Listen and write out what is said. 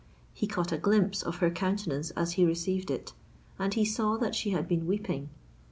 He caught a glimpse of her countenance as he received it; and he saw that she had been weeping.